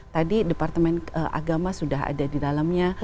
tadi departemen agama sudah ada di dalamnya